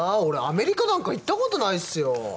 俺アメリカなんか行ったことないっすよ。